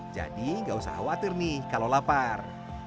jadi nggak usah khawatir nih kalau lapar